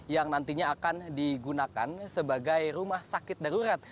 yang nantinya akan digunakan sebagai rumah sakit darurat